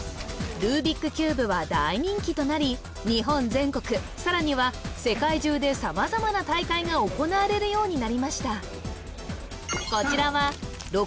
ルービックキューブは大人気となり日本全国さらには世界中で様々な大会が行われるようになりました